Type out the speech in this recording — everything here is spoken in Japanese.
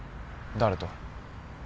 誰と？